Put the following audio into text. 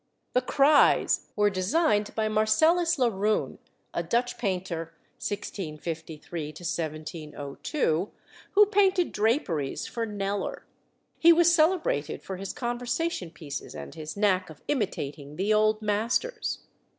"The Cries" were designed by Marcellus Laroon, a Dutch painter (1653 1702), who painted draperies for Kneller. He was celebrated for his conversation pieces and his knack of imitating the old masters.